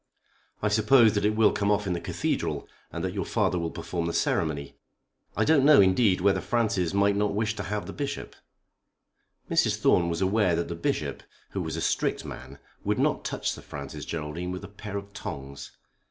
"I suppose that it will come off in the cathedral, and that your father will perform the ceremony. I don't know, indeed, whether Francis might not wish to have the Bishop." Mrs. Thorne was aware that the Bishop, who was a strict man, would not touch Sir Francis Geraldine with a pair of tongs.